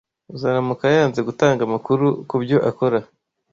Uzaramuka yanze gutanga amakuru ku byo akora